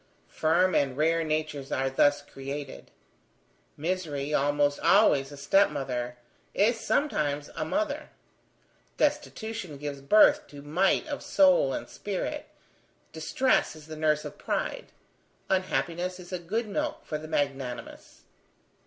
Firm and rare natures are thus created; misery, almost always a step mother, is sometimes a mother; destitution gives birth to might of soul and spirit; distress is the nurse of pride; unhappiness is a good milk for the magnanimous.